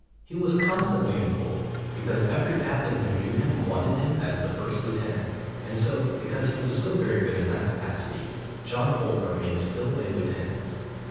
He was constantly employed, because every captain who knew him wanted him as his first lieutenant, and so, because he was so very good in that capacity, John Holt remained still a lieutenant.